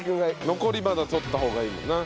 残りまだ採った方がいいよな。